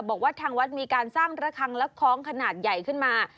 บอกว่าทางวัดมีการสร้างระคังและคล้องขนาดใหญ่ขึ้นมา